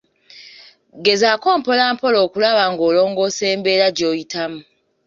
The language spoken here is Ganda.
Gezaako mpolampola okulaba ng’olongosa embeera gyoyitamu.